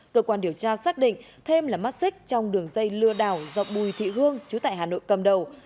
cơ quan điều tra xác định thêm là mắt xích trong đường dây lừa đảo do bùi thị hương chú tại hà nội cầm đầu